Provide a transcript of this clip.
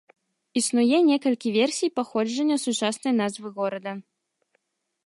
Існуе некалькі версій паходжання сучаснай назвы горада.